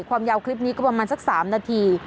ความยาวคลิปนี้ก็ประมาณสัก๓นาที